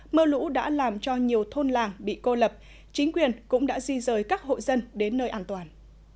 mưa lũ đã làm cho nhiều thôn làng bị cô lập chính quyền cũng đã di rời các hộ dân đến nơi an toàn